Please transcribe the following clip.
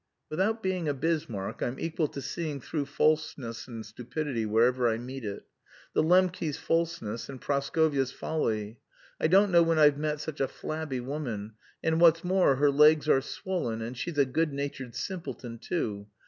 "Without being a Bismarck I'm equal to falseness and stupidity wherever I meet it, falseness, and Praskovya's folly. I don't know when I've met such a flabby woman, and what's more her legs are swollen, and she's a good natured simpleton, too.